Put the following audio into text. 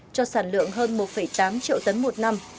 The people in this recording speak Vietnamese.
cho sản lượng hơn một tám triệu tấn một năm